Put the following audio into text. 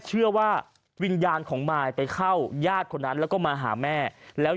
เชื่อว่าวิญญาณของมายไปเข้าญาติคนนั้นแล้วก็มาหาแม่แล้ว